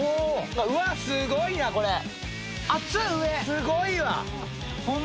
すごいわ！